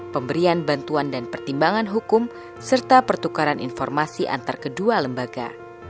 pemberian bantuan dan pertimbangan hukum serta pertukaran informasi antar kedua lembaga